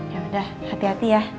ya udah hati hati ya